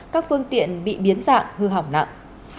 các phương tiện bị biến dạng hư hỏng nặng